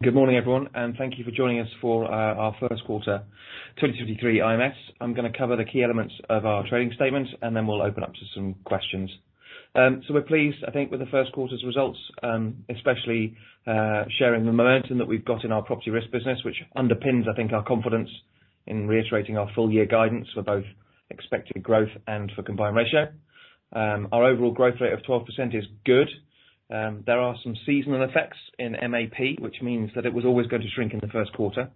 Good morning everyone, thank you for joining us for our first quarter 2023 IMS. I'm gonna cover the key elements of our trading statement, then we'll open up to some questions. We're pleased, I think, with the first quarter's results, especially sharing the momentum that we've got in our property risk business, which underpins, I think, our confidence in reiterating our full year guidance for both expected growth and for combined ratio. Our overall growth rate of 12% is good. There are some seasonal effects in MAP, which means that it was always going to shrink in the first quarter.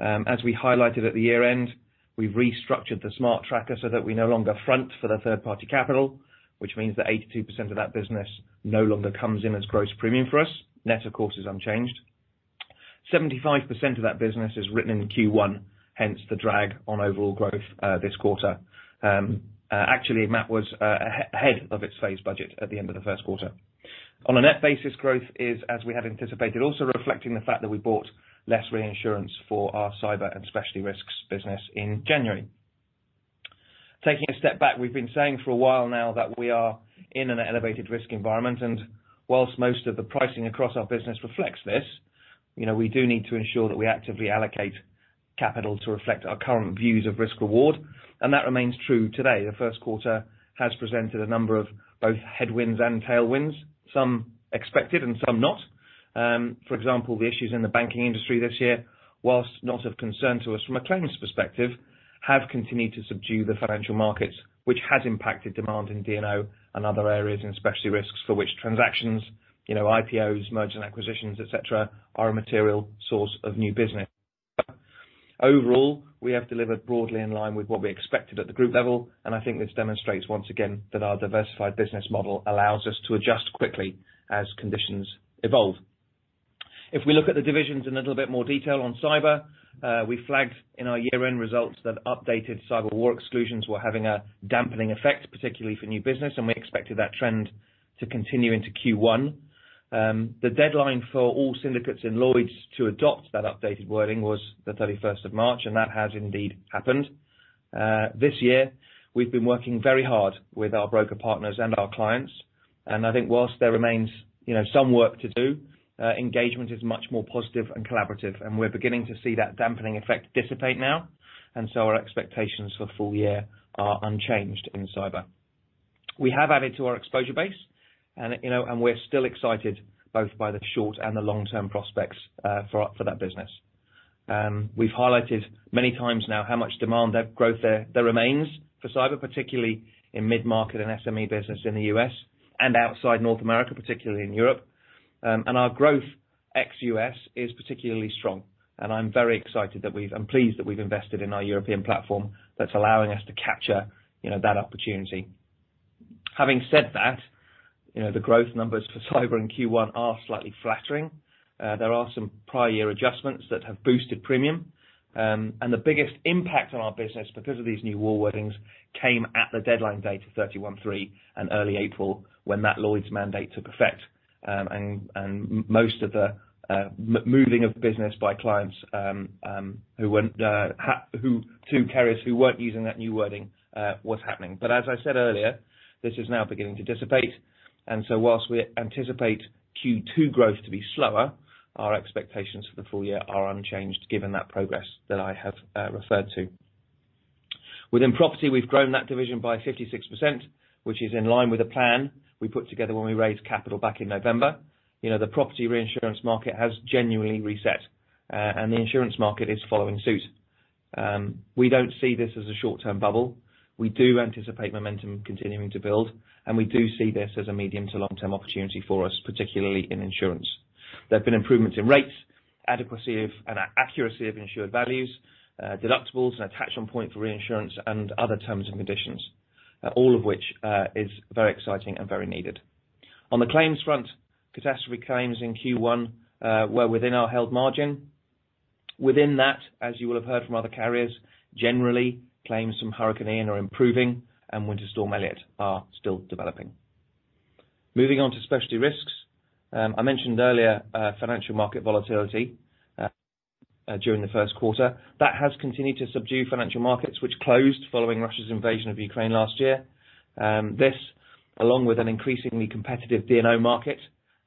As we highlighted at the year end, we've restructured the Smart Tracker so that we no longer front for the third party capital, which means that 82% of that business no longer comes in as gross premium for us. Net, of course, is unchanged. 75% of that business is written in Q1, hence the drag on overall growth, this quarter. Actually, MAP was ahead of its phase budget at the end of the first quarter. On a net basis, growth is as we have anticipated, also reflecting the fact that we bought less reinsurance for our cyber and specialty risks business in January. Taking a step back, we've been saying for a while now that we are in an elevated risk environment, and whilst most of the pricing across our business reflects this, you know, we do need to ensure that we actively allocate capital to reflect our current views of risk reward, and that remains true today. The first quarter has presented a number of both headwinds and tailwinds, some expected and some not. For example, the issues in the banking industry this year, whilst not of concern to us from a claims perspective, have continued to subdue the financial markets, which has impacted demand in D&O and other areas and specialty risks for which transactions, you know, IPOs, merger and acquisitions, et cetera, are a material source of new business. Overall, we have delivered broadly in line with what we expected at the group level, and I think this demonstrates once again that our diversified business model allows us to adjust quickly as conditions evolve. If we look at the divisions in a little bit more detail on cyber, we flagged in our year-end results that updated cyber war exclusions were having a dampening effect, particularly for new business, and we expected that trend to continue into Q1. The deadline for all syndicates in Lloyd's to adopt that updated wording was the 31st of March, and that has indeed happened. This year, we've been working very hard with our broker partners and our clients, and I think whilst there remains, you know, some work to do, engagement is much more positive and collaborative, and we're beginning to see that dampening effect dissipate now. Our expectations for full year are unchanged in cyber. We have added to our exposure base and, you know, and we're still excited both by the short and the long-term prospects for that business. We've highlighted many times now how much demand that growth there remains for cyber, particularly in mid-market and SME business in the U.S. and outside North America, particularly in Europe. Our growth ex-US is particularly strong. I'm very excited that I'm pleased that we've invested in our European platform that's allowing us to capture, you know, that opportunity. Having said that, you know, the growth numbers for cyber in Q1 are slightly flattering. There are some prior year adjustments that have boosted premium. The biggest impact on our business because of these new war wordings came at the deadline date of 31st March and early April, when that Lloyd's mandate took effect. Most of the moving of business by clients who weren't to carriers who weren't using that new wording was happening. As I said earlier, this is now beginning to dissipate. Whilst we anticipate Q2 growth to be slower, our expectations for the full year are unchanged given that progress that I have referred to. Within property, we've grown that division by 56%, which is in line with the plan we put together when we raised capital back in November. You know, the property reinsurance market has genuinely reset, and the insurance market is following suit. We don't see this as a short-term bubble. We do anticipate momentum continuing to build, and we do see this as a medium to long-term opportunity for us, particularly in insurance. There have been improvements in rates, adequacy of and accuracy of insured values, deductibles and attachment point for reinsurance and other terms and conditions. All of which is very exciting and very needed. On the claims front, catastrophe claims in Q1 were within our held margin. Within that, as you will have heard from other carriers, generally, claims from Hurricane Ian are improving and Winter Storm Elliott are still developing. Moving on to specialty risks. I mentioned earlier, financial market volatility during the first quarter. That has continued to subdue financial markets which closed following Russia's invasion of Ukraine last year. This, along with an increasingly competitive D&O market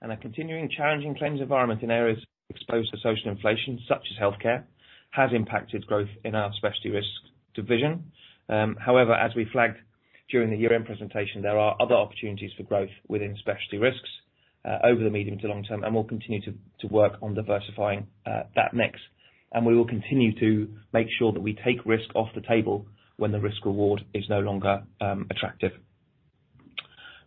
and a continuing challenging claims environment in areas exposed to social inflation, such as healthcare, has impacted growth in our specialty risk division. However, as we flagged during the year-end presentation, there are other opportunities for growth within specialty risks over the medium to long term, we'll continue to work on diversifying that mix. We will continue to make sure that we take risk off the table when the risk award is no longer attractive.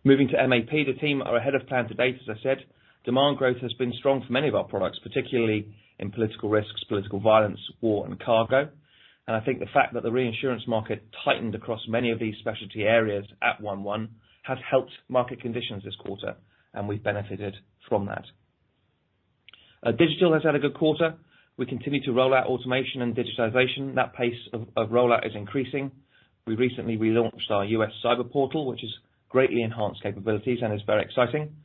Moving to MAP, the team are ahead of plan to date, as I said. Demand growth has been strong for many of our products, particularly in political risks, political violence, war, and cargo. I think the fact that the reinsurance market tightened across many of these specialty areas at 1/1 has helped market conditions this quarter, and we've benefited from that. Digital has had a good quarter. We continue to roll out automation and digitization. That pace of rollout is increasing. We recently relaunched our US cyber portal, which has greatly enhanced capabilities and is very exciting.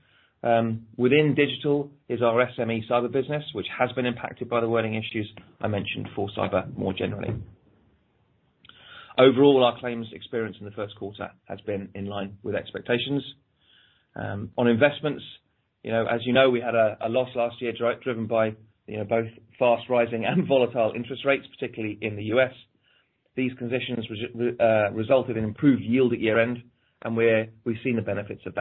Within digital is our SME cyber business, which has been impacted by the wording issues I mentioned for cyber more generally. Overall, our claims experience in the first quarter has been in line with expectations. On investments, you know, as you know, we had a loss last year driven by, you know, both fast rising and volatile interest rates, particularly in the U.S. These conditions resulted in improved yield at year-end. We've seen the benefits of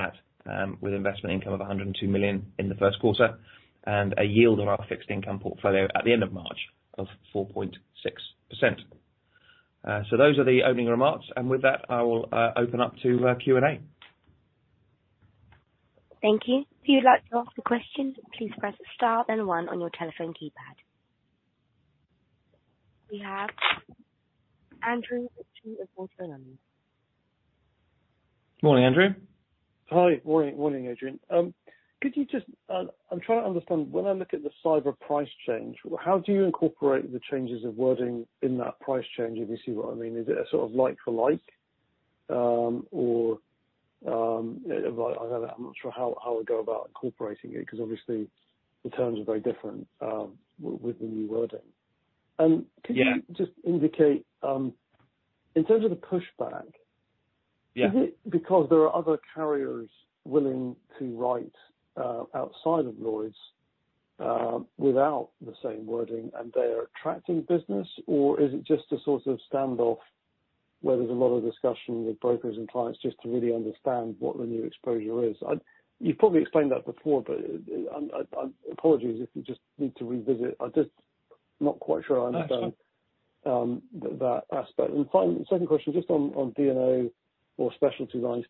that with investment income of $102 million in the first quarter and a yield on our fixed income portfolio at the end of March of 4.6%. Those are the opening remarks. With that, I will open up to Q&A. Thank you. If you'd like to ask a question, please press star then One on your telephone keypad. We have Andrew Whitney of Goldman Sachs. Morning, Andrew. Hi. Morning, Adrian. I'm trying to understand, when I look at the cyber price change, how do you incorporate the changes of wording in that price change? If you see what I mean. Is it a sort of like for like, or, if I don't know. I'm not sure how I'd go about incorporating it 'cause obviously the terms are very different with the new wording. Could you. Yeah. Just indicate, in terms of the pushback. Yeah. Is it because there are other carriers willing to write, outside of Lloyd's, without the same wording, and they're attracting business? Is it just a sort of standoff where there's a lot of discussion with brokers and clients just to really understand what the new exposure is? You've probably explained that before, but apologies if you just need to revisit. I'm just not quite sure I understand. No. That aspect. Final... Second question, just on D&O or specialty lines,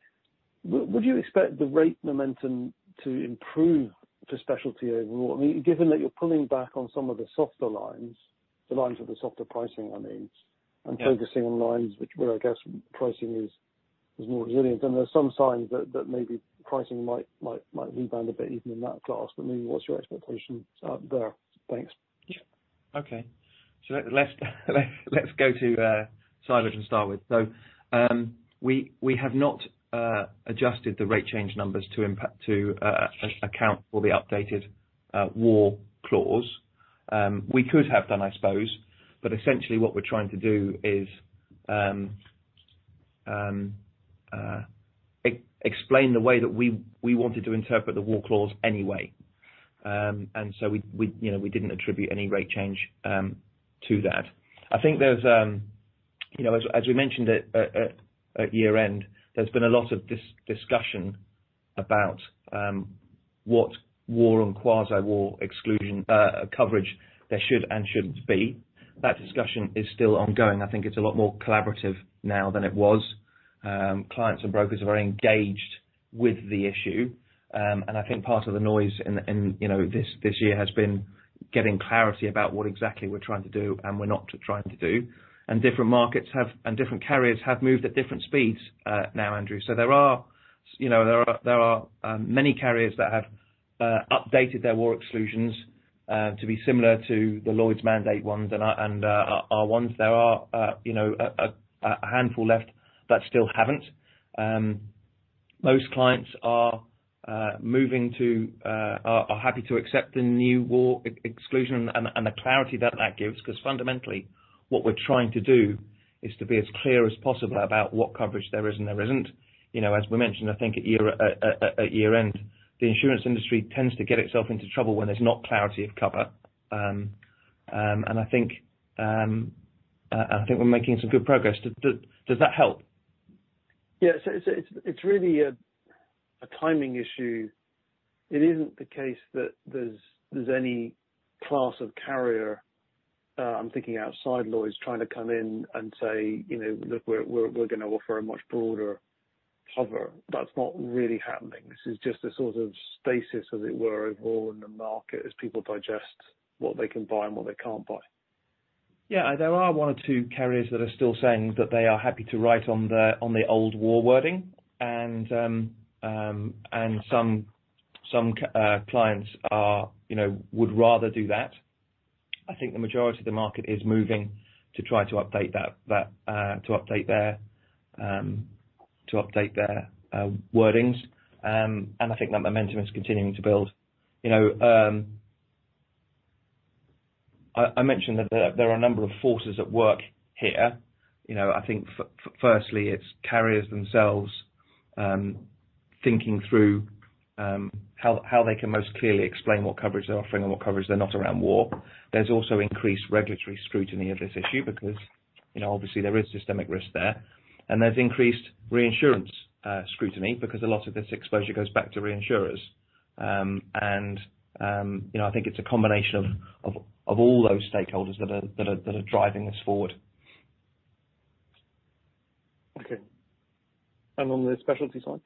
would you expect the rate momentum to improve for specialty overall? I mean, given that you're pulling back on some of the softer lines, the lines with the softer pricing, I mean. Yeah. Focusing on lines which... Where, I guess, pricing is more resilient. There's some signs that maybe pricing might rebound a bit even in that class. I mean, what's your expectation there? Thanks. Yeah. Okay. Let's go to cyber to start with. We have not adjusted the rate change numbers to account for the updated war clause. We could have done, I suppose, essentially what we're trying to do is explain the way that we wanted to interpret the war clause anyway. We, you know, we didn't attribute any rate change to that. I think there's, you know, as we mentioned at year-end, there's been a lot of discussion about what war and quasi war exclusion coverage there should and shouldn't be. That discussion is still ongoing. I think it's a lot more collaborative now than it was. Clients and brokers are very engaged with the issue. I think part of the noise in, you know, this year has been getting clarity about what exactly we're trying to do and we're not trying to do. Different markets and different carriers have moved at different speeds now, Andrew. There are, you know, many carriers that have updated their war exclusions to be similar to the Lloyd's mandate ones and our ones. There are, you know, a handful left that still haven't. Most clients are happy to accept the new war exclusion and the clarity that that gives. 'Cause fundamentally, what we're trying to do is to be as clear as possible about what coverage there is and there isn't. You know, as we mentioned, I think at year-end, the insurance industry tends to get itself into trouble when there's not clarity of cover. I think we're making some good progress. Does that help? Yeah. It's really a timing issue. It isn't the case that there's any class of carrier, I'm thinking outside Lloyd's trying to come in and say, "You know, look, we're gonna offer a much broader cover." That's not really happening. This is just a sort of stasis, as it were, overall in the market as people digest what they can buy and what they can't buy. Yeah. There are one or two carriers that are still saying that they are happy to write on the old war wording. Some clients are, you know, would rather do that. I think the majority of the market is moving to try to update their wordings. I think that momentum is continuing to build. You know, I mentioned that there are a number of forces at work here. You know, I think firstly it's carriers themselves, thinking through how they can most clearly explain what coverage they're offering and what coverage they're not around war. There's also increased regulatory scrutiny of this issue because, you know, obviously there is systemic risk there. There's increased reinsurance scrutiny because a lot of this exposure goes back to reinsurers. You know, I think it's a combination of all those stakeholders that are driving this forward. Okay. On the specialty side?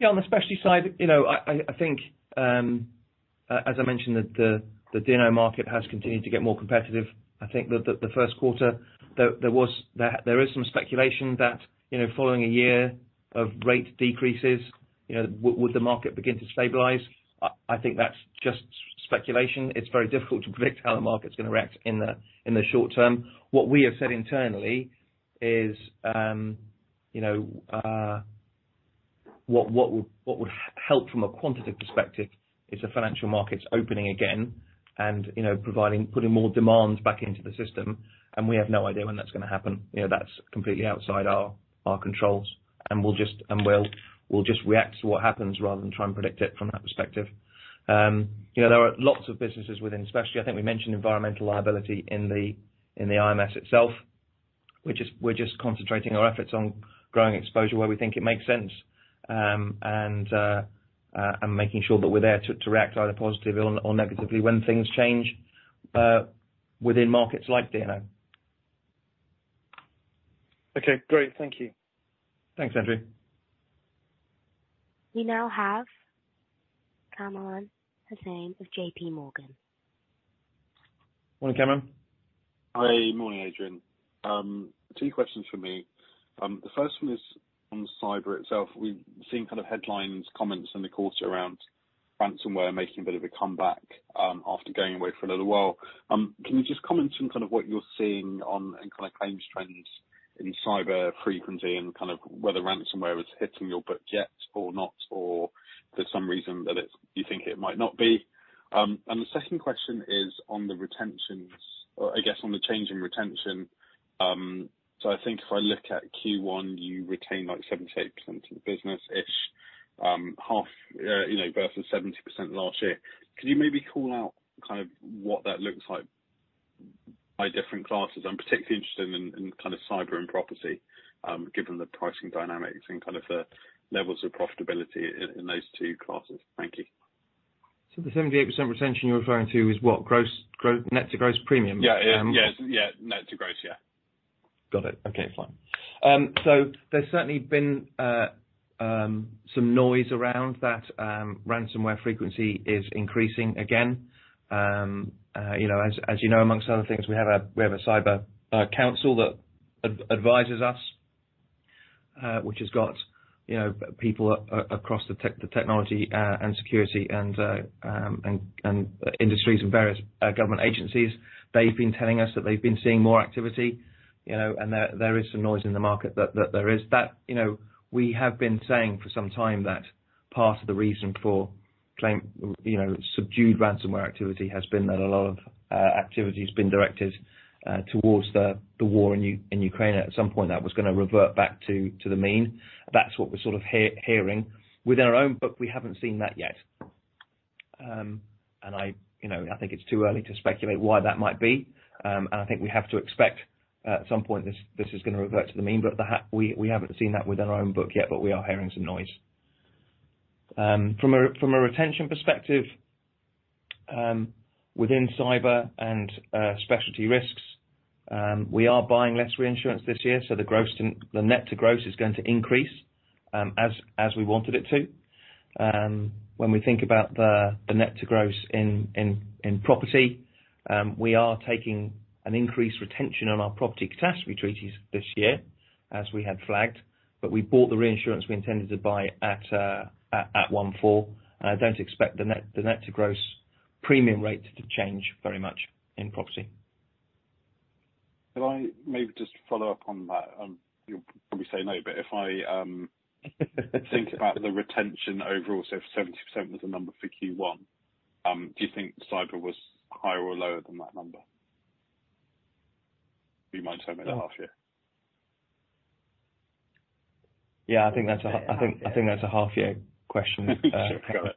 Yeah, on the specialty side, you know, I think, as I mentioned, the D&O market has continued to get more competitive. I think that the first quarter, there was... there is some speculation that, you know, following a year of rate decreases, you know, would the market begin to stabilize? I think that's just speculation. It's very difficult to predict how the market's gonna react in the short term. What we have said internally is, you know, what would help from a quantitative perspective is the financial markets opening again and, you know, putting more demand back into the system. We have no idea when that's gonna happen. You know, that's completely outside our controls. We'll just react to what happens rather than try and predict it from that perspective. You know, there are lots of businesses within specialty. I think we mentioned environmental liability in the IMS itself. We're just concentrating our efforts on growing exposure where we think it makes sense. And making sure that we're there to react either positively or negatively when things change within markets like D&O. Okay, great. Thank you. Thanks, Andrew. We now have Kamran Hossain of J.P. Morgan. Morning, Kamran. Hi. Morning, Adrian. Two questions from me. The first one is on cyber itself. We've seen kind of headlines, comments in the quarter around ransomware making a bit of a comeback, after going away for a little while. Can you just comment on kind of what you're seeing on and kind of claims trends in cyber frequency and kind of whether ransomware is hitting your book yet or not, or there's some reason that it's, you think it might not be? The second question is on the retentions, or I guess on the change in retention. I think if I look at Q1, you retained like 78% of the business-ish, half, you know, versus 70% last year. Could you maybe call out kind of what that looks like by different classes? I'm particularly interested in kind of Cyber and property, given the pricing dynamics and kind of the levels of profitability in those two classes. Thank you. The 78% retention you're referring to is what? net to gross premium? Yeah. Yeah. Yes. Yeah. Net to gross, yeah. Got it. Okay, fine. There's certainly been some noise around that, ransomware frequency is increasing again. You know, as you know, amongst other things, we have a Cyber Council that advises us, which has got, you know, people across the technology, and security and industries and various government agencies. They've been telling us that they've been seeing more activity, you know, and there is some noise in the market that there is. You know, we have been saying for some time that part of the reason for, you know, subdued ransomware activity has been that a lot of activity's been directed towards the war in Ukraine. At some point that was gonna revert back to the mean. That's what we're sort of hearing. I, you know, I think it's too early to speculate why that might be. I think we have to expect at some point this is gonna revert to the mean. We haven't seen that within our own book yet, but we are hearing some noise. From a, from a retention perspective, within Cyber and Specialty Risks, we are buying less reinsurance this year, so the net to gross is going to increase, as we wanted it to. When we think about the net to gross in, in property, we are taking an increased retention on our property catastrophe treaties this year, as we had flagged. We bought the reinsurance we intended to buy at 1/4. I don't expect the net to gross premium rate to change very much in property. Could I maybe just follow up on that? You'll probably say no, but if I think about the retention overall, if 70% was the number for Q1, do you think cyber was higher or lower than that number? You mind if I make it a half year? Yeah, I think that's a half year question. Got it.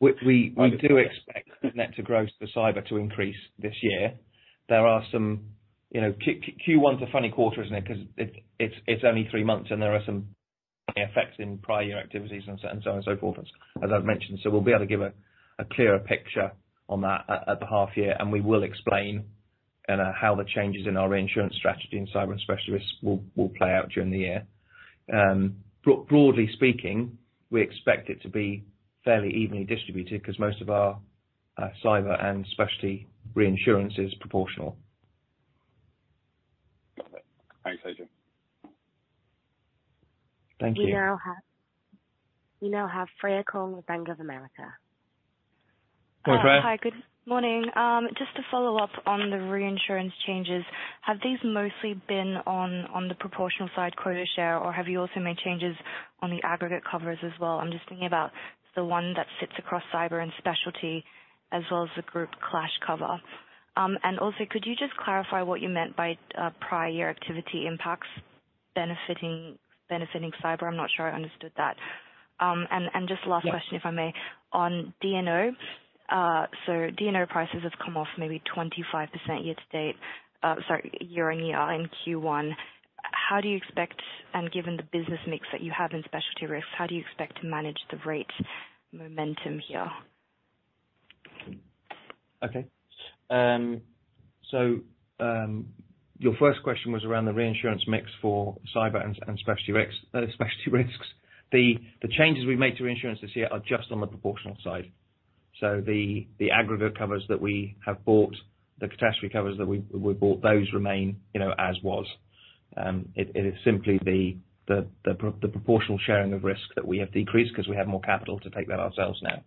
We do expect net to gross for cyber to increase this year. There are some. You know, Q1's a funny quarter, isn't it? 'Cause it's only three months, and there are some effects in prior year activities and so on and so forth, as I've mentioned. We'll be able to give a clearer picture on that at the half year. We will explain how the changes in our insurance strategy in cyber and specialty risks will play out during the year. Broadly speaking, we expect it to be fairly evenly distributed 'cause most of our cyber and specialty reinsurance is proportional. Got it. Thanks, Adrian. Thank you. We now have Freya Kong with Bank of America. Hi, Freya. Hi. Good morning. Just to follow up on the reinsurance changes, have these mostly been on the proportional side quota share, or have you also made changes on the aggregate covers as well? I'm just thinking about the one that sits across cyber and specialty as well as the group clash cover. Also, could you just clarify what you meant by prior year activity impacts benefiting cyber? I'm not sure I understood that. Just last question, if I may. Yeah. On D&O. D&O prices have come off maybe 25% year to date. Sorry, year on year in Q1. How do you expect, and given the business mix that you have in specialty risks, how do you expect to manage the rate momentum here? Your first question was around the reinsurance mix for cyber and specialty risks. The changes we made to insurance this year are just on the proportional side. The aggregate covers that we have bought, the catastrophe covers that we bought, those remain, you know, as was. It is simply the proportional sharing of risk that we have decreased 'cause we have more capital to take that ourselves now.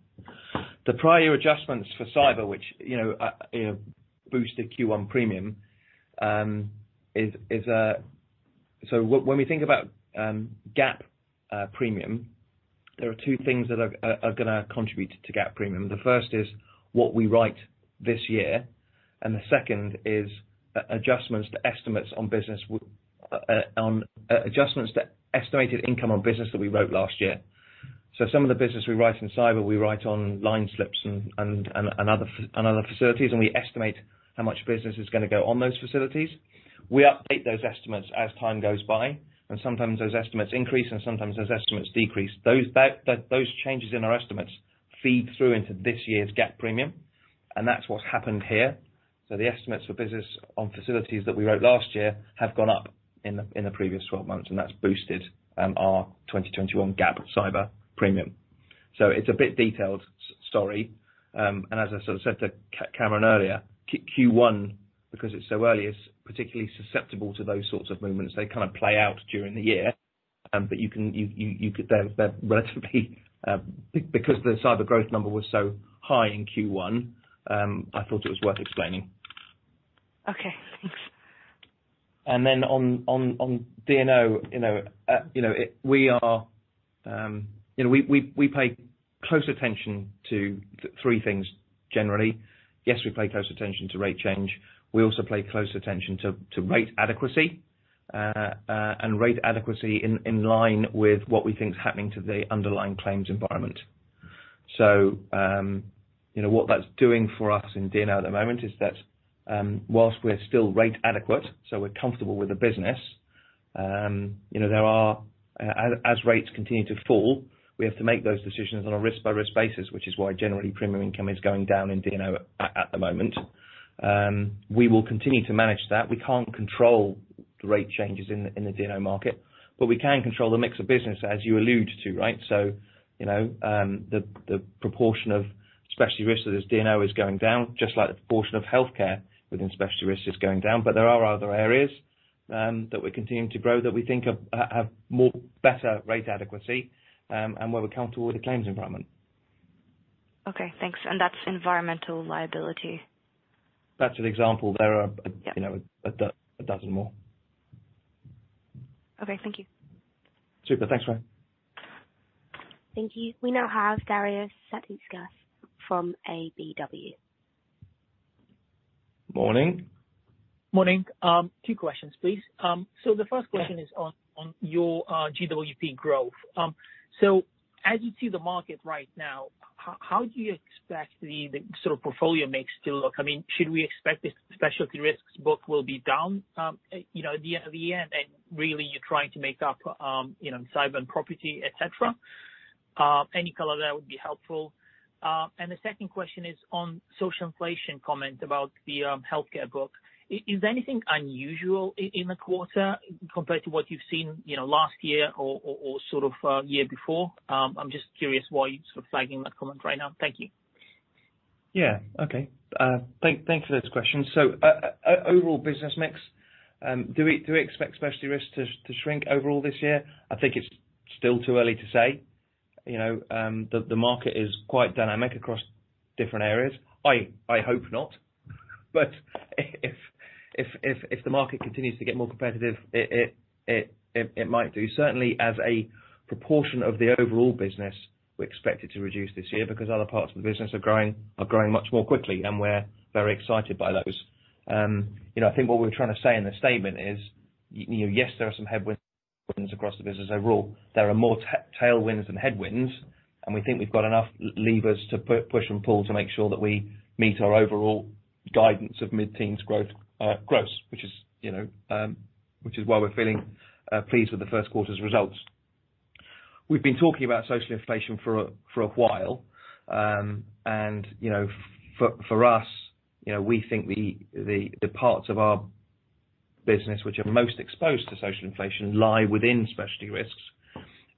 The prior adjustments for cyber, which, you know, boosted Q1 premium. When we think about GAAP premium, there are two things that are gonna contribute to GAAP premium. The first is what we write this year, the second is adjustments to estimates on business, adjustments to estimated income on business that we wrote last year. Some of the business we write in Cyber, we write on line slips and other facilities, and we estimate how much business is gonna go on those facilities. We update those estimates as time goes by, sometimes those estimates increase, and sometimes those estimates decrease. Those, those changes in our estimates feed through into this year's GAAP premium, that's what's happened here. The estimates for business on facilities that we wrote last year have gone up in the previous 12 months, that's boosted our 2021 GAAP Cyber premium. It's a bit detailed story. As I sort of said to Kamran earlier, Q one, because it's so early, is particularly susceptible to those sorts of movements. They kind of play out during the year. You can, you could. They're relatively, because the cyber growth number was so high in Q one, I thought it was worth explaining. Okay. Thanks. On D&O, you know, we pay close attention to three things, generally. Yes, we pay close attention to rate change. We also pay close attention to rate adequacy and rate adequacy in line with what we think is happening to the underlying claims environment. You know, what that's doing for us in D&O at the moment is that, whilst we're still rate adequate, so we're comfortable with the business, you know, as rates continue to fall, we have to make those decisions on a risk-by-risk basis, which is why generally premium income is going down in D&O at the moment. We will continue to manage that. We can't control the rate changes in the, in the D&O market, but we can control the mix of business as you allude to, right? You know, the proportion of specialty risks of this D&O is going down, just like the proportion of healthcare within specialty risks is going down. There are other areas that we're continuing to grow that we think of have more better rate adequacy and where we're comfortable with the claims environment. Okay, thanks. That's environmental liability? That's an example. There are- Yeah. You know, a dozen more. Okay, thank you. Super. Thanks, Freya. Thank you. We now have Darius Satkauskas from KBW. Morning. Morning. Two questions, please. The first question is on your GWP growth. As you see the market right now, how do you expect the sort of portfolio mix to look? I mean, should we expect the specialty risks book will be down, you know, at the end of the year, and really you're trying to make up, you know, cyber and property, et cetera? Any color there would be helpful. The second question is on social inflation comment about the healthcare book. Is anything unusual in the quarter compared to what you've seen, you know, last year or sort of year before? I'm just curious why you're sort of flagging that comment right now. Thank you. Yeah. Okay. Thanks for those questions. Overall business mix, do we expect specialty risks to shrink overall this year? I think it's still too early to say, you know. The market is quite dynamic across different areas. I hope not. If the market continues to get more competitive, it might do. Certainly, as a proportion of the overall business, we expect it to reduce this year because other parts of the business are growing much more quickly, and we're very excited by those. You know, I think what we're trying to say in the statement is, you know, yes, there are some headwinds across the business overall. There are more tailwinds than headwinds, and we think we've got enough levers to push and pull to make sure that we meet our overall guidance of mid-teens growth. Which is, you know, which is why we're feeling pleased with the first quarter's results. We've been talking about social inflation for a while. You know, for us, you know, we think the parts of our business which are most exposed to social inflation lie within specialty risks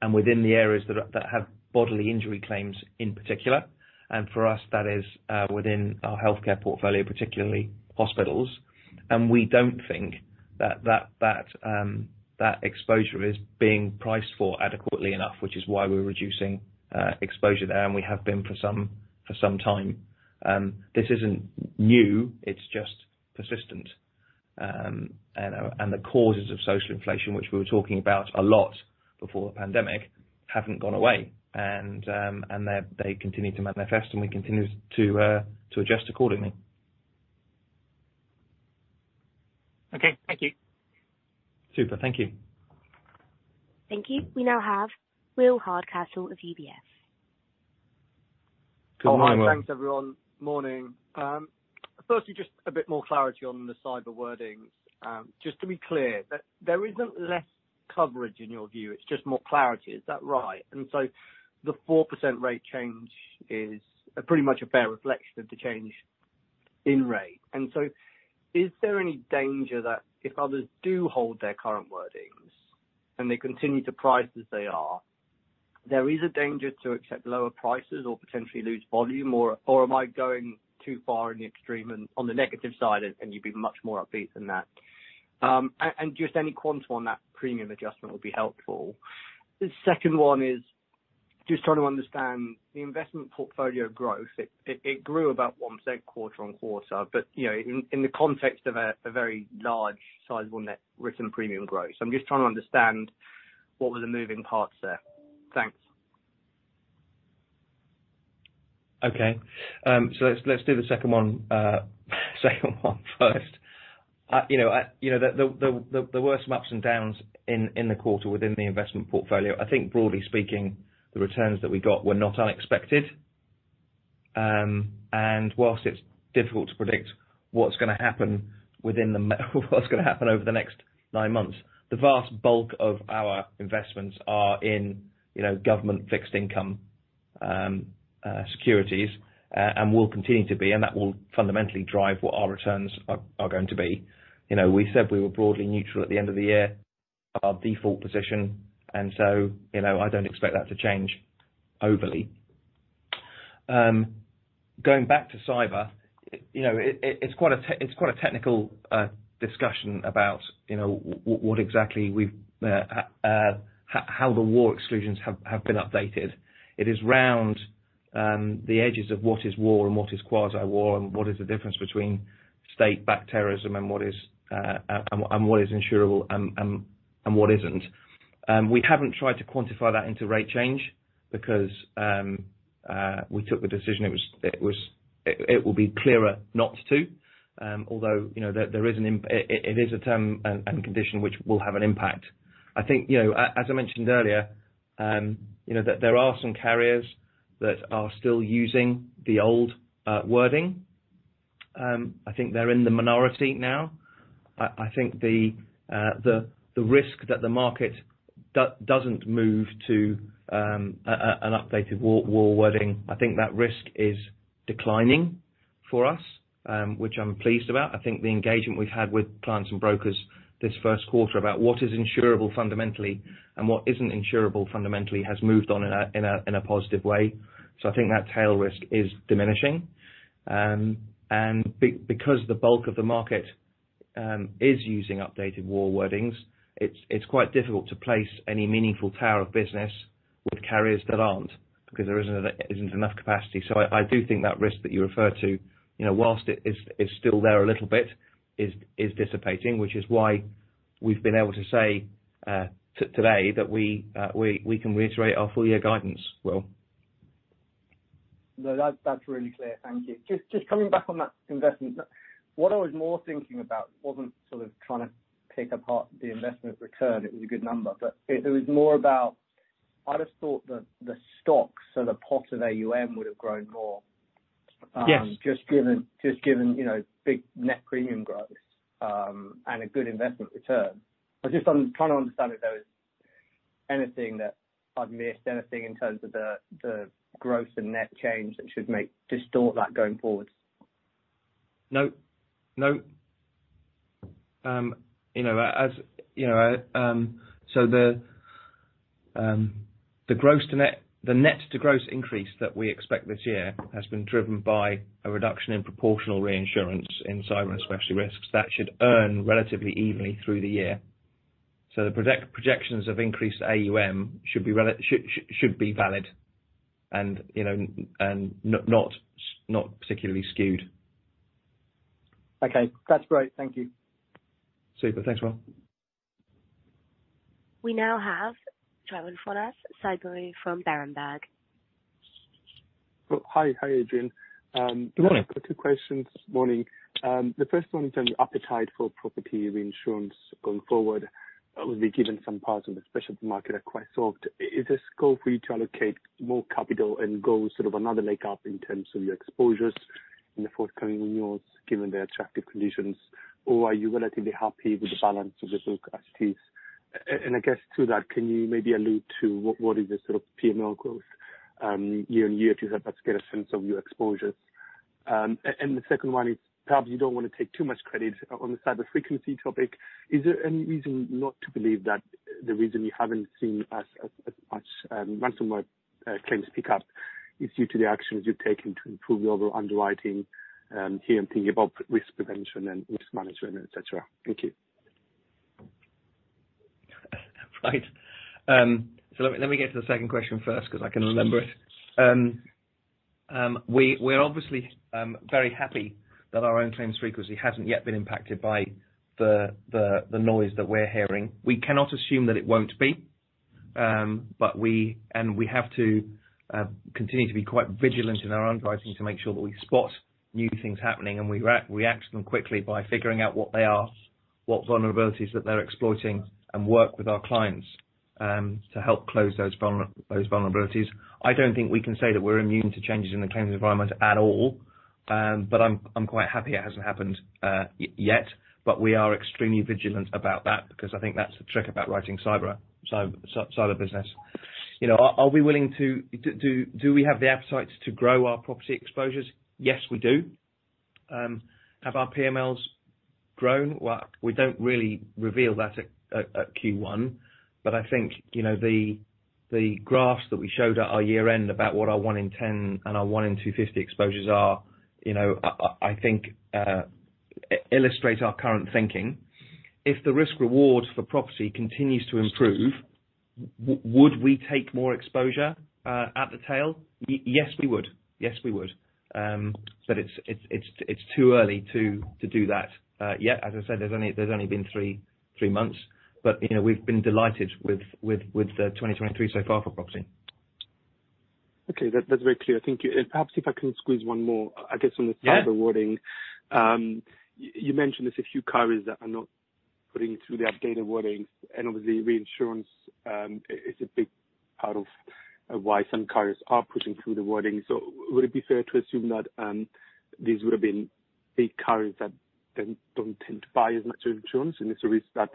and within the areas that have bodily injury claims in particular. For us, that is within our healthcare portfolio, particularly hospitals. We don't think that exposure is being priced for adequately enough, which is why we're reducing exposure there, and we have been for some time. This isn't new, it's just persistent. The causes of social inflation, which we were talking about a lot before the pandemic, haven't gone away. They continue to manifest, and we continue to adjust accordingly. Okay. Thank you. Super. Thank you. Thank you. We now have Will Hardcastle of UBS. Good morning, Will. Oh, hi. Thanks, everyone. Morning. Firstly, just a bit more clarity on the Cyber Wordings. Just to be clear, there isn't less coverage in your view, it's just more clarity. Is that right? The 4% rate change is pretty much a fair reflection of the change in rate. Is there any danger that if others do hold their current wordings and they continue to price as they are, there is a danger to accept lower prices or potentially lose volume? Am I going too far in the extreme and on the negative side, and you'd be much more upbeat than that? Just any quantum on that premium adjustment would be helpful. The second 1 is just trying to understand the investment portfolio growth. It grew about 1% quarter-on-quarter, but, you know, in the context of a very large sizable net written premium growth. I'm just trying to understand what were the moving parts there. Thanks. Let's, let's do the second one, second one first. You know, You know, the were some ups and downs in the quarter within the investment portfolio. I think broadly speaking, the returns that we got were not unexpected. Whilst it's difficult to predict what's gonna happen within the what's gonna happen over the next nine months, the vast bulk of our investments are in, you know, government fixed income securities, and will continue to be, and that will fundamentally drive what our returns are going to be. You know, we said we were broadly neutral at the end of the year, our default position. You know, I don't expect that to change overly. Going back to cyber, you know, it's quite a technical discussion about, you know, what exactly we've how the war exclusions have been updated. It is around the edges of what is war and what is quasi war, and what is the difference between state-backed terrorism and what is insurable and what isn't. We haven't tried to quantify that into rate change because we took the decision it was. It will be clearer not to, although, you know, there is an it is a term and condition which will have an impact. I think, you know, as I mentioned earlier, you know, there are some carriers that are still using the old wording. I think they're in the minority now. I think the risk that the market doesn't move to an updated war wording, I think that risk is declining for us, which I'm pleased about. I think the engagement we've had with clients and brokers this first quarter about what is insurable fundamentally and what isn't insurable fundamentally has moved on in a positive way. I think that tail risk is diminishing. Because the bulk of the market is using updated war wordings, it's quite difficult to place any meaningful tower of business with carriers that aren't, because there isn't enough capacity. I do think that risk that you refer to, you know, whilst it is still there a little bit, is dissipating, which is why we've been able to say today that we can reiterate our full year guidance, Will. No, that's really clear. Thank you. Just coming back on that investment. What I was more thinking about wasn't sort of trying to pick apart the investment return. It was a good number. It was more about I'd have thought that the stocks or the pot of AUM would have grown more- Yes just given, you know, big net premium growth, and a good investment return. I just, I'm trying to understand if there was anything that I've missed, anything in terms of the growth and net change that should distort that going forward. No. No. you know, the net to gross increase that we expect this year has been driven by a reduction in proportional reinsurance in cyber and specialty risks. That should earn relatively evenly through the year. The projections of increased AUM should be valid and, you know, not particularly skewed. Okay. That's great. Thank you. Super. Thanks, Will. We now have Tryfonas Spyrou from Berenberg. Oh, hi. Hi, Adrian. Good morning. I've got two questions. Morning. The first one is on the appetite for property reinsurance going forward, with given some parts of the specialty market are quite soft. Is the scope for you to allocate more capital and go sort of another leg up in terms of your exposures in the forthcoming renewals given the attractive conditions? Or are you relatively happy with the balance of the book as it is? I guess to that, can you maybe allude to what is the sort of PML growth year on year to help us get a sense of your exposures? The second one is, perhaps you don't wanna take too much credit on the cyber frequency topic. Is there any reason not to believe that the reason you haven't seen as much ransomware claims pick up is due to the actions you're taking to improve your overall underwriting here and thinking about risk prevention and risk management, et cetera? Thank you. Right. Let me get to the second question first 'cause I can remember it. Sure. We're obviously very happy that our own claims frequency hasn't yet been impacted by the noise that we're hearing. We cannot assume that it won't be. We have to continue to be quite vigilant in our underwriting to make sure that we spot new things happening, and we re-react to them quickly by figuring out what they are, what vulnerabilities that they're exploiting, and work with our clients to help close those vulnerabilities. I don't think we can say that we're immune to changes in the claims environment at all, but I'm quite happy it hasn't happened yet. We are extremely vigilant about that because I think that's the trick about writing cyber business. You know, are we willing to... Do we have the appetite to grow our property exposures? Yes, we do. Have our PMLs grown? Well, we don't really reveal that at Q1. I think, you know, the graphs that we showed at our year end about what our one in 10 and our one in 250 exposures are, you know, I think illustrate our current thinking. If the risk reward for property continues to improve, would we take more exposure at the tail? Yes, we would. Yes, we would. It's too early to do that yet. As I said, there's only been three months. You know, we've been delighted with 2023 so far for property. Okay. That's very clear. Thank you. Perhaps if I can squeeze one more, I guess on the. Yeah. -Cyber Wording. You mentioned there's a few carriers that are not putting through the updated wordings, and obviously reinsurance is a big part of why some carriers are putting through the wording. Would it be fair to assume that these would've been big carriers that don't tend to buy as much insurance, and is the risk that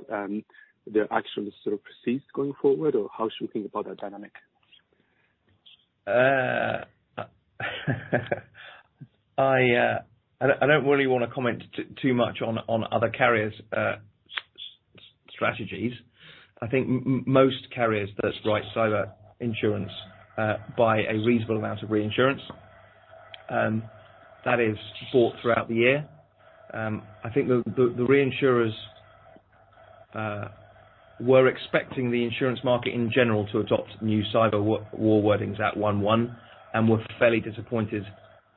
their actions sort of proceed going forward, or how should we think about that dynamic? I don't really wanna comment too much on other carriers', strategies. I think most carriers that write cyber insurance buy a reasonable amount of reinsurance that is bought throughout the year. I think the reinsurers were expecting the insurance market in general to adopt new cyber wording at 1/1, and were fairly disappointed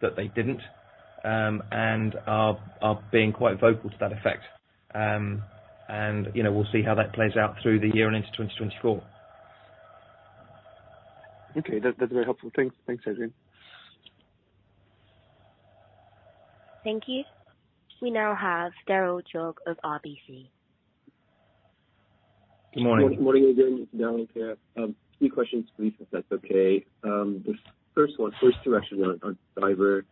that they didn't, and are being quite vocal to that effect. You know, we'll see how that plays out through the year and into 2024. Okay. That's very helpful. Thanks. Thanks, Adrian. Thank you. We now have Derald Goh of RBC. Good morning. Good morning again. It's Derald here. Two questions please, if that's okay. The first one, first direction on cyber.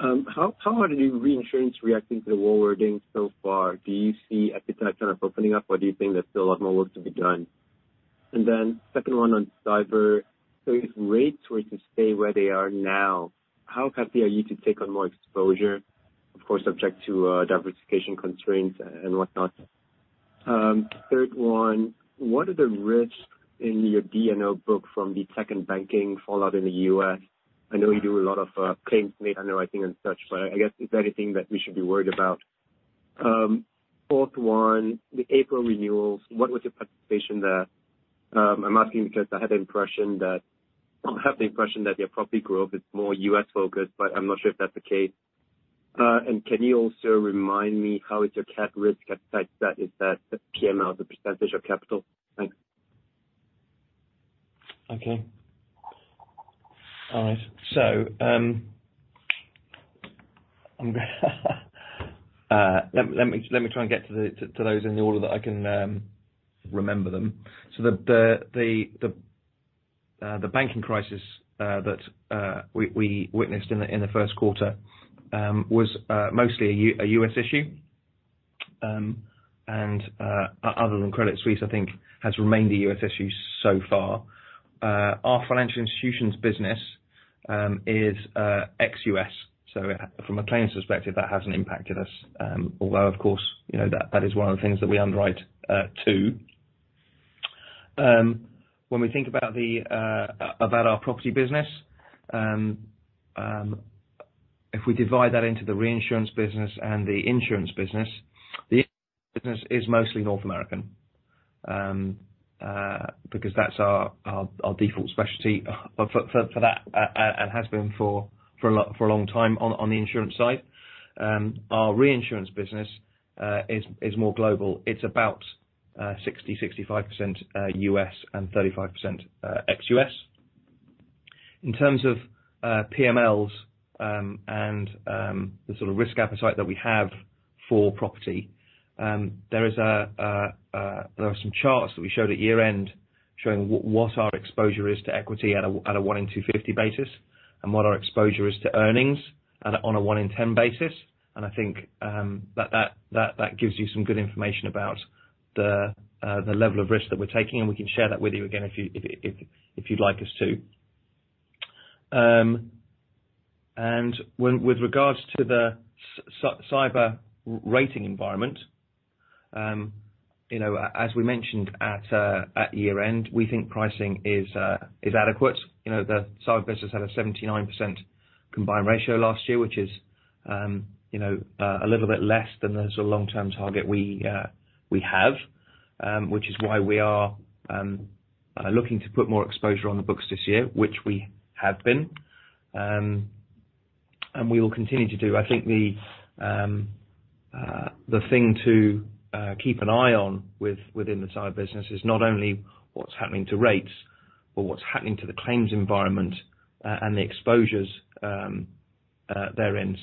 How are the reinsurance reacting to the wording so far? Do you see appetite kind of opening up, or do you think there's still a lot more work to be done? Second one on cyber, if rates were to stay where they are now, how happy are you to take on more exposure, of course, subject to diversification constraints and whatnot? Third one, what are the risks in your D&O book from the tech and banking fallout in the U.S.? I know you do a lot of claims made underwriting and such, I guess, is there anything that we should be worried about? Fourth one, the April renewals, what was your participation there? I'm asking because I have the impression that your property growth is more US focused, but I'm not sure if that's the case. Can you also remind me how is your cat risk appetite? That is that PML as a % of capital. Thanks. Okay. All right. Let me try and get to those in the order that I can remember them. The banking crisis that we witnessed in the first quarter was mostly a US issue. Other than Credit Suisse, I think has remained a US issue so far. Our financial institutions business is ex-US from a claims perspective, that hasn't impacted us. Although of course, you know that is one of the things that we underwrite to. When we think about our property business, if we divide that into the reinsurance business and the insurance business, the business is mostly North American, because that's our default specialty for that and has been for a long time on the insurance side. Our reinsurance business is more global. It's about 60%-65% U.S. and 35% ex-U.S. In terms of PMLs and the sort of risk appetite that we have for property, there are some charts that we showed at year end showing what our exposure is to equity at a one in 250 basis, and what our exposure is to earnings at a one in 10 basis. I think that gives you some good information about the level of risk that we're taking, and we can share that with you again if you'd like us to. With regards to the cyber rating environment, you know, as we mentioned at year-end, we think pricing is adequate. You know, the cyber business had a 79% combined ratio last year, which is, you know, a little bit less than the sort of long-term target we have. Which is why we are looking to put more exposure on the books this year, which we have been, and we will continue to do. I think the thing to keep an eye on within the Cyber Business is not only what's happening to rates, but what's happening to the claims environment and the exposures therein.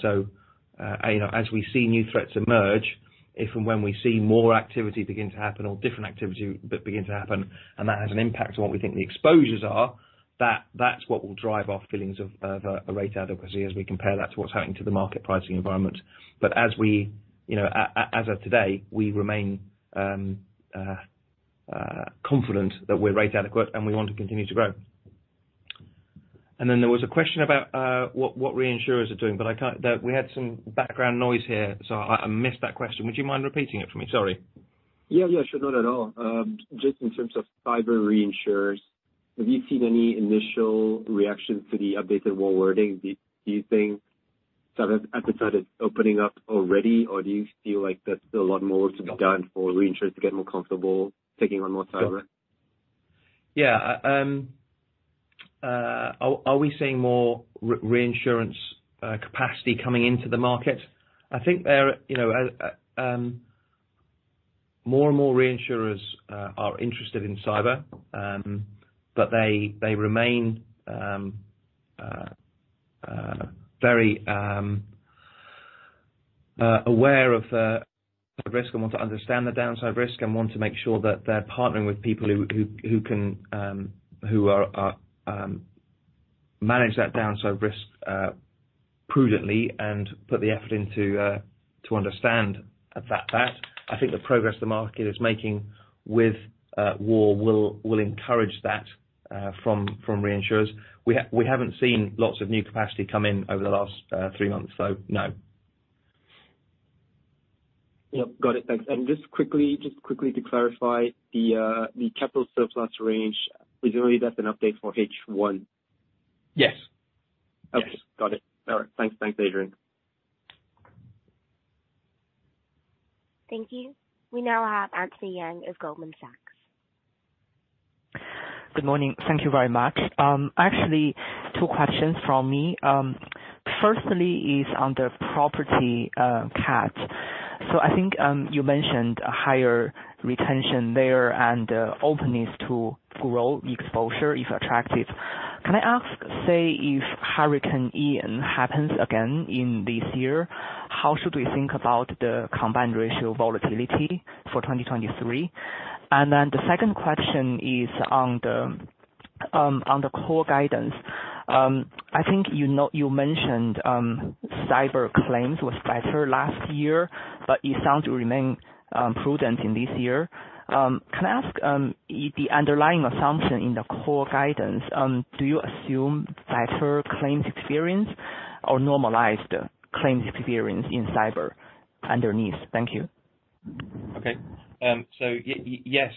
You know, as we see new threats emerge, if and when we see more activity begin to happen or different activity begin to happen, and that has an impact on what we think the exposures are, that's what will drive our feelings of rate adequacy as we compare that to what's happening to the market pricing environment. As we, you know, as of today, we remain confident that we're rate adequate and we want to continue to grow. There was a question about what reinsurers are doing, but I can't... We had some background noise here. I missed that question. Would you mind repeating it for me? Sorry. Yeah. Yeah, sure. Not at all. Just in terms of cyber reinsurers, have you seen any initial reaction to the updated war wording? Do you think sort of appetite is opening up already, or do you feel like there's still a lot more to be done for reinsurers to get more comfortable taking on more cyber? Yeah. Are we seeing more reinsurance capacity coming into the market? You know, more and more reinsurers are interested in cyber, but they remain very aware of the risk and want to understand the downside risk and want to make sure that they're partnering with people who can manage that downside risk prudently and put the effort to understand about that. I think the progress the market is making with WAR will encourage that from reinsurers. We haven't seen lots of new capacity come in over the last three months. No. Yep. Got it. Thanks. Just quickly to clarify the capital surplus range, presumably that's an update for H1? Yes. Okay. Yes. Got it. All right. Thanks. Thanks, Adrian. Thank you. We now have Qifan Yang of Goldman Sachs. Good morning. Thank you very much. Actually two questions from me. Firstly is on the property cat. I think you mentioned a higher retention there and openness to grow exposure if attractive. Can I ask, say, if Hurricane Ian happens again in this year, how should we think about the combined ratio volatility for 2023? The second question is on the core guidance. I think you know. You mentioned cyber claims was better last year, but you sound to remain prudent in this year. Can I ask the underlying assumption in the core guidance, do you assume better claims experience or normalized claims experience in cyber underneath? Thank you. Yes,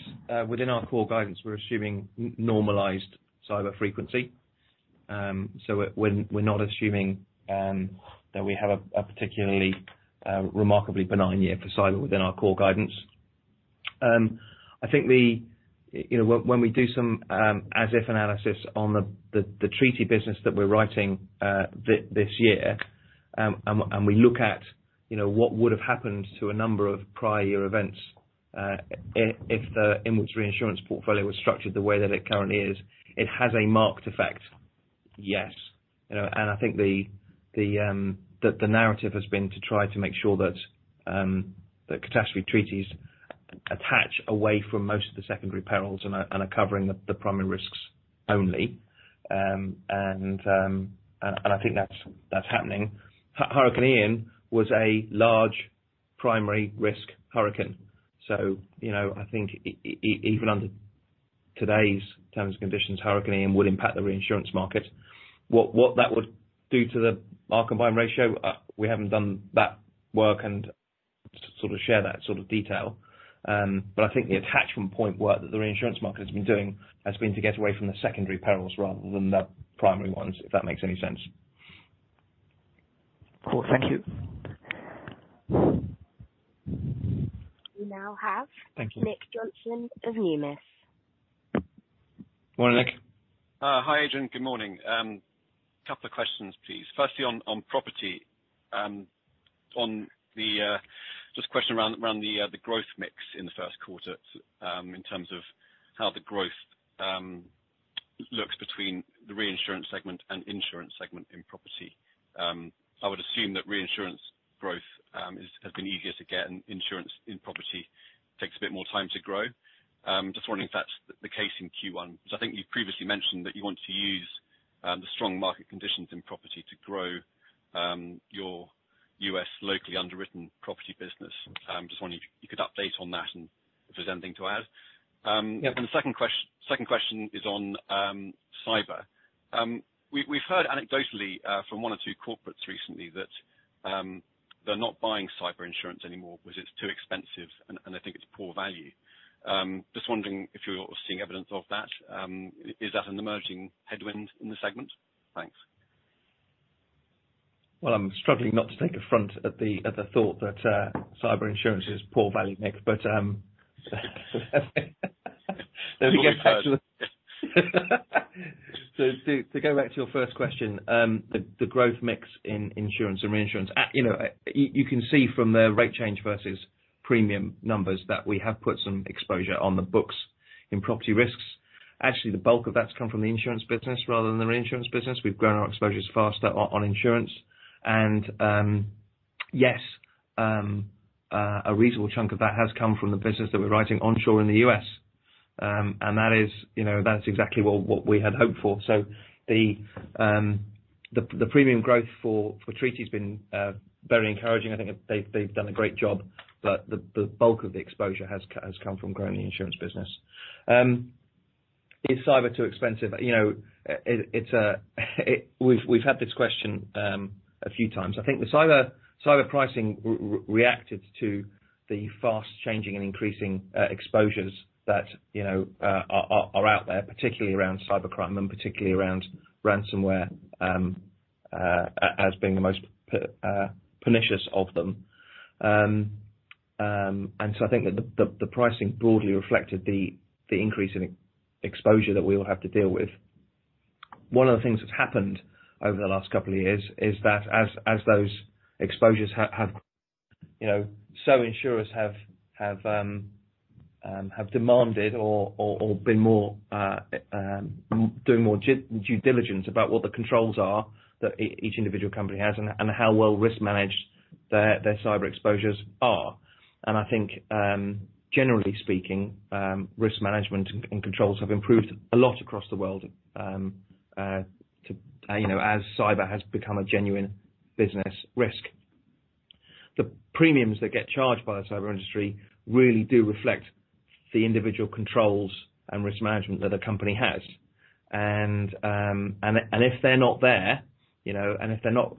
within our core guidance, we're assuming normalized cyber frequency. We're not assuming that we have a particularly remarkably benign year for cyber within our core guidance. You know, when we do some as if analysis on the treaty business that we're writing this year, and we look at, you know, what would have happened to a number of prior events, if the inwards reinsurance portfolio was structured the way that it currently is, it has a marked effect. Yes. You know, I think the narrative has been to try to make sure that the catastrophe treaties attach away from most of the secondary perils and are covering the primary risks only. I think that's happening. Hurricane Ian was a large primary risk hurricane. You know, I think even under today's terms and conditions, Hurricane Ian would impact the reinsurance market. What that would do to the, our combined ratio, we haven't done that work and sort of share that sort of detail. I think the attachment point work that the reinsurance market has been doing has been to get away from the secondary perils rather than the primary ones, if that makes any sense. Cool. Thank you. We now have... Thank you. Nick Johnson of Numis. Morning, Nick. Hi, Adrian. Good morning. Couple of questions, please. Firstly, on property, on the. Just a question around the growth mix in the first quarter, in terms of how the growth looks between the reinsurance segment and insurance segment in property. I would assume that reinsurance growth is. Has been easier to get and insurance in property takes a bit more time to grow. Just wondering if that's the case in Q1. Cause I think you've previously mentioned that you want to use the strong market conditions in property to grow your US locally underwritten property business. Just wondering if you could update on that and if there's anything to add. Yeah. The second question is on cyber. We've heard anecdotally from one or two corporates recently that they're not buying cyber insurance anymore because it's too expensive and they think it's poor value. Just wondering if you're seeing evidence of that. Is that an emerging headwind in the segment? Thanks. Well, I'm struggling not to take affront at the thought that cyber insurance is poor value, Nick. To go back to your first question, the growth mix in insurance and reinsurance. you know, you can see from the rate change versus premium numbers that we have put some exposure on the books in property risks. Actually, the bulk of that's come from the insurance business rather than the reinsurance business. We've grown our exposures faster on insurance. Yes, a reasonable chunk of that has come from the business that we're writing onshore in the U.S. That is, you know, that's exactly what we had hoped for. The premium growth for treaty has been very encouraging. I think they've done a great job, but the bulk of the exposure has come from growing the insurance business. Is cyber too expensive? You know, We've had this question a few times. I think the cyber pricing reacted to the fast changing and increasing exposures that, you know, are out there, particularly around cybercrime and particularly around ransomware as being the most pernicious of them. I think that the pricing broadly reflected the increase in exposure that we all have to deal with. One of the things that's happened over the last couple of years is that as those exposures have... You know, insurers have demanded or been more doing more due diligence about what the controls are that each individual company has and how well risk managed their cyber exposures are. I think, generally speaking, risk management and controls have improved a lot across the world, you know, as cyber has become a genuine business risk. The premiums that get charged by the cyber industry really do reflect the individual controls and risk management that a company has. If they're not there, you know, and if they're not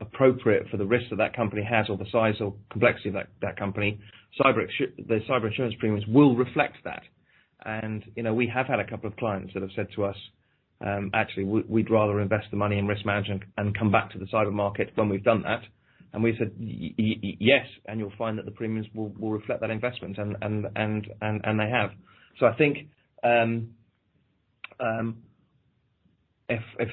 appropriate for the risks that company has or the size or complexity of that company, the cyber insurance premiums will reflect that. You know, we have had a couple of clients that have said to us, "Actually, we'd rather invest the money in risk management and come back to the Cyber Market when we've done that." We've said, "Yes, and you'll find that the premiums will reflect that investment." They have. I think, if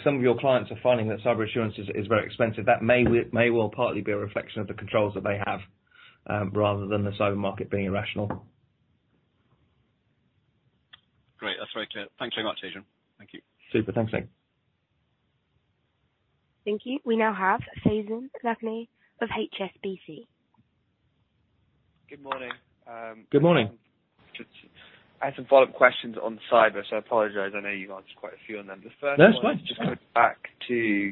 some of your clients are finding that cyber insurance is very expensive, that may well partly be a reflection of the controls that they have, rather than the cyber market being irrational. Great. That's very clear. Thanks very much, Adrian. Thank you. Super. Thanks. Thank you. We now have Faizan Lakhani of HSBC. Good morning. Good morning. I have some follow-up questions on Cyber. I apologize. I know you've answered quite a few on them. No, that's fine. The first one just comes back to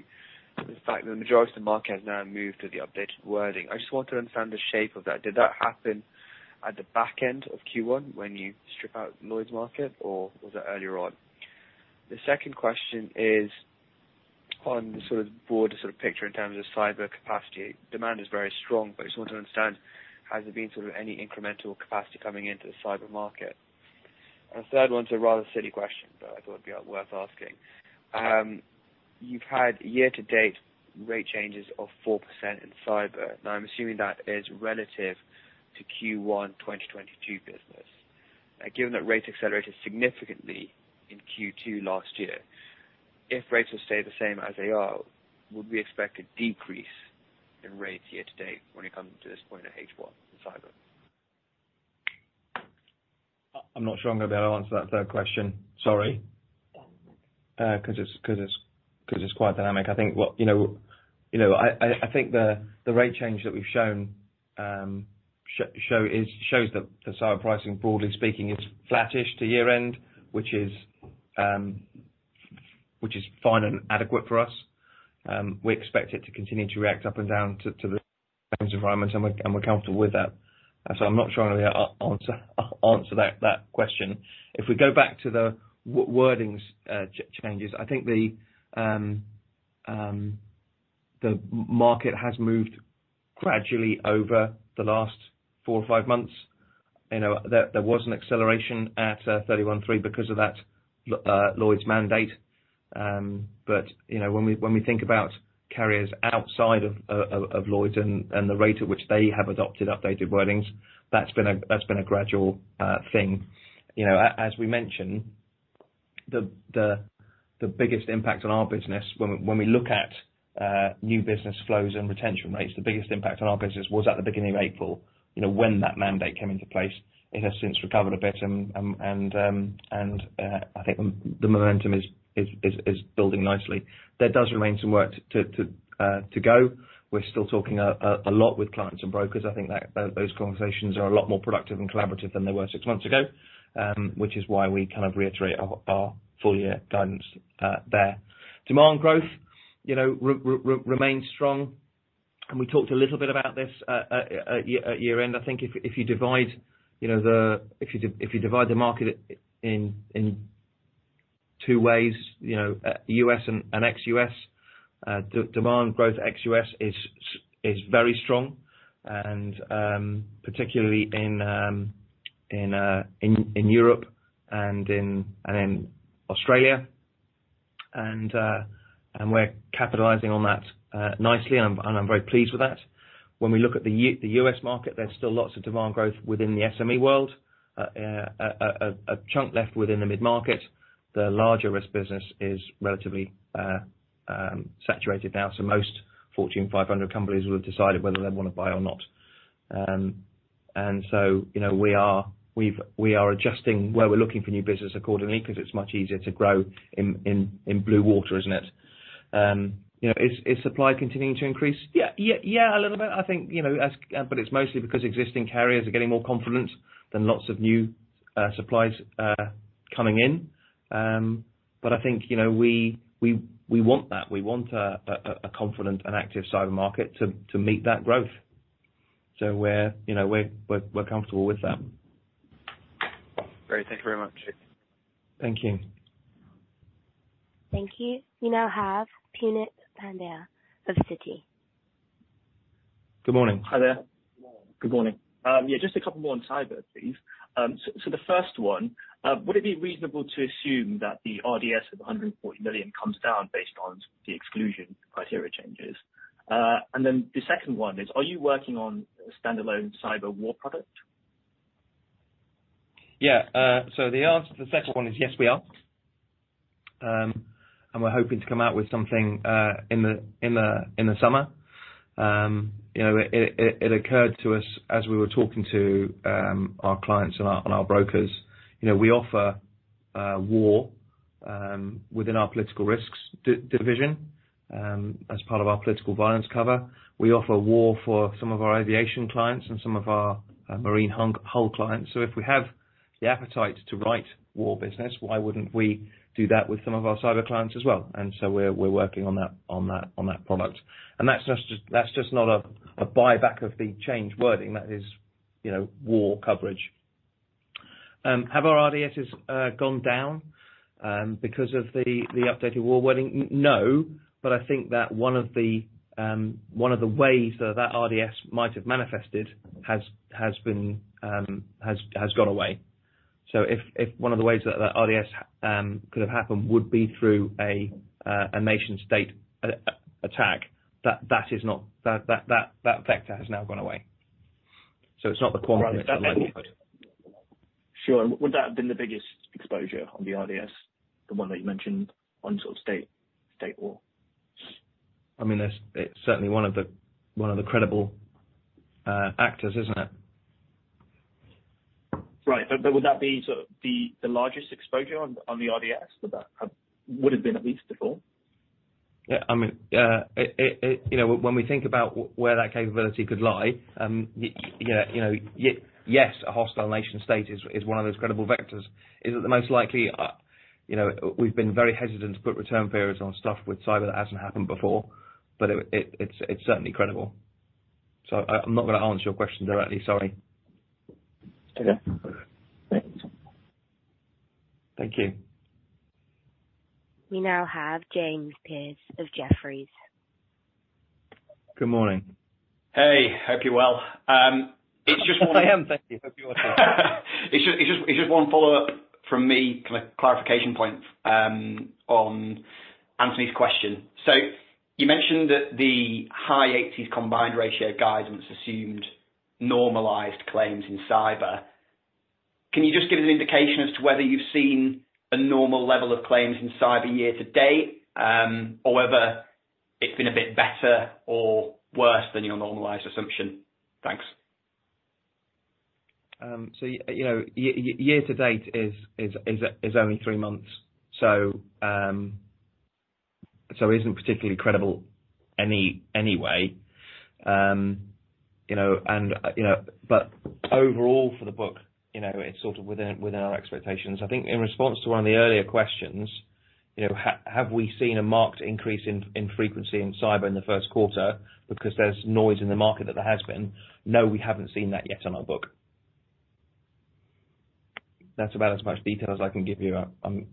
the fact the majority of the market has now moved to the updated wording. I just want to understand the shape of that. Did that happen at the back end of Q1 when you strip out Lloyd's market, or was it earlier on? The second question is on the sort of broader sort of picture in terms of cyber capacity. Demand is very strong, but I just want to understand, has there been sort of any incremental capacity coming into the cyber market? The third one's a rather silly question, but I thought it'd be worth asking. You've had year-to-date rate changes of 4% in cyber. Now, I'm assuming that is relative to Q1 2022 business. Given that rates accelerated significantly in Q2 last year, if rates will stay the same as they are, would we expect a decrease in rates year to date when it comes to this point of H1 in cyber? I'm not sure I'm gonna be able to answer that third question. Sorry. Yeah, no. 'Cause it's quite dynamic. I think what, you know... You know, I think the rate change that we've shown, shows that the cyber pricing, broadly speaking, is flattish to year end, which is fine and adequate for us. We expect it to continue to react up and down to the claims environments, and we're comfortable with that. I'm not sure I'm gonna be able to answer that question. If we go back to the wording's changes, I think the market has moved gradually over the last four or five months. You know, there was an acceleration at 31/3 because of that Lloyd's mandate. You know, when we think about carriers outside of Lloyd's and the rate at which they have adopted updated wordings, that's been a gradual thing. You know, as we mentioned, the biggest impact on our business when we look at new business flows and retention rates, the biggest impact on our business was at the beginning of April, you know, when that mandate came into place. It has since recovered a bit and I think the momentum is building nicely. There does remain some work to go. We're still talking a lot with clients and brokers. I think that those conversations are a lot more productive and collaborative than they were six months ago, which is why we kind of reiterate our full year guidance there. Demand growth, you know, remains strong. We talked a little bit about this at year end. I think if you divide, you know, the market in two ways, you know, US and ex-US, demand growth ex-US is very strong, and particularly in Europe and in Australia. We're capitalizing on that nicely, and I'm very pleased with that. When we look at the US market, there's still lots of demand growth within the SME world. A chunk left within the mid-market. The larger risk business is relatively saturated now. Most Fortune 500 companies will have decided whether they wanna buy or not. You know, we are adjusting where we're looking for new business accordingly, 'cause it's much easier to grow in blue water, isn't it? You know, is supply continuing to increase? Yeah, a little bit. I think, you know, as. It's mostly because existing carriers are getting more confident than lots of new suppliers coming in. I think, you know, we want that. We want a confident and active cyber market to meet that growth. We're, you know, we're comfortable with that. Great. Thank you very much. Thank you. Thank you. We now have Punit Pandya of Citi. Good morning. Hi there. Good morning. Just a couple more on cyber, please. The first one, would it be reasonable to assume that the RDS of $140 million comes down based on the exclusion criteria changes? The second one is, are you working on a standalone cyber war product? Yeah. The second one is, yes, we are. We're hoping to come out with something in the summer. You know, it occurred to us as we were talking to our clients and our brokers. You know, we offer war within our political risks division as part of our political violence cover. We offer war for some of our aviation clients and some of our marine hull clients. If we have the appetite to write war business, why wouldn't we do that with some of our cyber clients as well? We're working on that product. That's just not a buyback of the changed wording. That is, you know, war coverage. Have our RDSes gone down because of the updated war wording? No, but I think that one of the ways that RDS might have manifested has been, has gone away. If one of the ways that RDS could have happened would be through a nation state attack, that is not... That vector has now gone away. It's not the. Right. Sure. Would that have been the biggest exposure on the RDS, the one that you mentioned on sort of state war? I mean, It's certainly one of the, one of the credible, actors, isn't it? Right. Would that be sort of the largest exposure on the RDS? Would have been at least before? Yeah, I mean, you know, when we think about where that capability could lie, you know, yes, a hostile nation state is one of those credible vectors. Is it the most likely? You know, we've been very hesitant to put return periods on stuff with cyber that hasn't happened before, but it's certainly credible. I'm not gonna answer your question directly, sorry. Okay. Thanks. Thank you. We now have James Pearce of Jefferies. Good morning. Hey. Hope you're well. It's just. Yes, I am. Thank you. Hope you are too. It's just one follow-up from me, kind of clarification point, on Anthony's question. You mentioned that the high 80s combined ratio guidance assumed normalized claims in cyber. Can you just give us an indication as to whether you've seen a normal level of claims in cyber year to date, or whether it's been a bit better or worse than your normalized assumption? Thanks. You know, year to date is only three months, so it isn't particularly credible anyway. You know, and, you know. Overall for the book, you know, it's sort of within our expectations. I think in response to one of the earlier questions, you know, have we seen a marked increase in frequency in cyber in the first quarter because there's noise in the market that there has been? No, we haven't seen that yet on our book. That's about as much detail as I can give you. I'm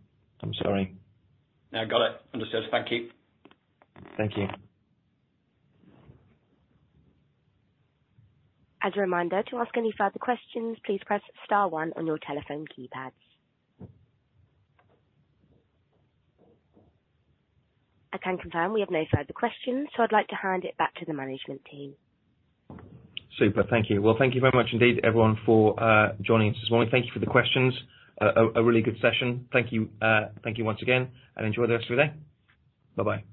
sorry. Yeah. Got it. Understood. Thank you. Thank you. As a reminder, to ask any further questions, please press star one on your telephone keypads. I can confirm we have no further questions, so I'd like to hand it back to the management team. Super. Thank you. Well, thank you very much indeed, everyone, for joining us this morning. Thank you for the questions. A really good session. Thank you. Thank you once again, and enjoy the rest of your day. Bye-bye.